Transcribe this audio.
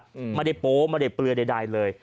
มันไม่ได้โป๊ะมันไม่ได้เปลือใดเลย